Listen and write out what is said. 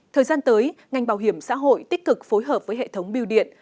thời gian tới ngành bảo hiểm xã hội tích cực phối hợp với hệ thống biêu điện